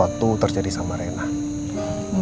anda kita sambil bahasa indonesia